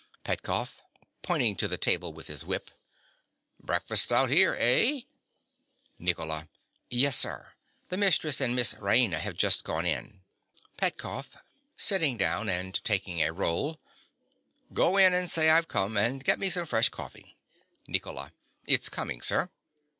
_) PETKOFF. (pointing to the table with his whip). Breakfast out here, eh? NICOLA. Yes, sir. The mistress and Miss Raina have just gone in. PETKOFF. (fitting down and taking a roll). Go in and say I've come; and get me some fresh coffee. NICOLA. It's coming, sir.